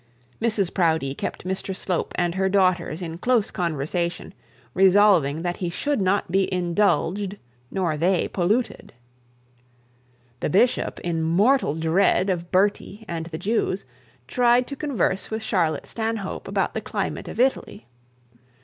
Mrs Proudie kept Mr Slope and her daughters in close conversation, resolving that he should not be indulged, nor they polluted. The bishop, in mortal dread of Bertie and the Jews, tried to converse with Charlotte Stanhope about the climate of Italy.